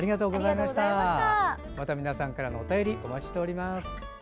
また皆さんからのお便りお待ちしております。